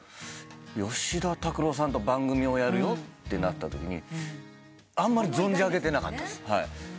「吉田拓郎さんと番組をやるよ」ってなったときにあんまり存じ上げてなかった。